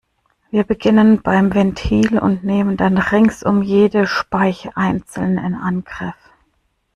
Wir beginnen beim Ventil und nehmen dann ringsum jede Speiche einzeln in Angriff.